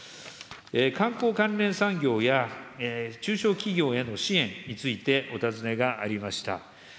観光関連産業や中小企業への支援について、お尋ねがありました。